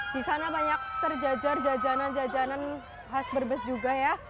di sana banyak terjajar jajanan jajanan khas brebes juga ya